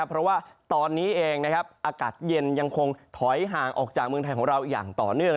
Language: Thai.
เพราะว่าตอนนี้เองอากาศเย็นยังคงถอยห่างออกจากเมืองไทยของเราอย่างต่อเนื่อง